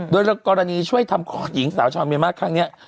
โดยกรณีช่วยทำคลอดหญิงสาวชาวเมียมากครั้งนี้